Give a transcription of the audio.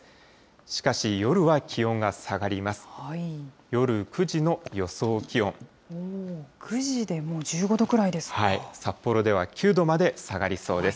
しかし夜は気温が下がります。